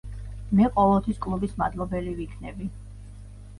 მე ყოველთვის კლუბის მადლობელი ვიქნები.